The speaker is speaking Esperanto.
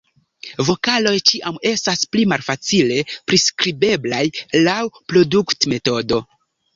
Vokaloj ĉiam estas pli malfacile priskribeblaj laŭ produktmetodo.